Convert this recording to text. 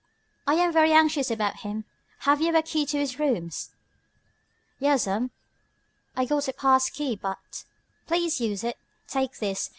"I am very anxious about him. Have you a key to his rooms?" "Yas'm, I got a pass key, but " "Please use it. Take this.